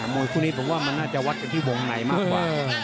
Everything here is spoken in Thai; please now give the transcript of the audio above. มวยคู่นี้ผมว่ามันน่าจะวัดกันที่วงในมากกว่า